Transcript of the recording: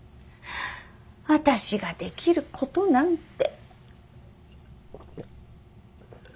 私ができることなんて。